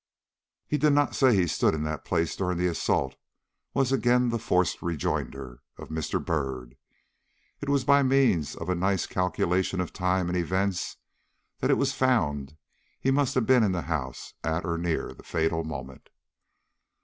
"He did not say he stood in that place during the assault," was again the forced rejoinder of Mr. Byrd. "It was by means of a nice calculation of time and events, that it was found he must have been in the house at or near the fatal moment."